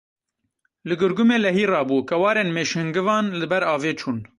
Li Gurgumê lehî rabû, kewarên mêşhingivan li ber avê çûn.